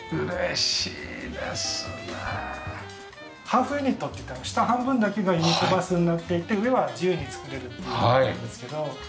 ハーフユニットっていって下半分だけがユニットバスになっていて上は自由に作れるっていうものなんですけど。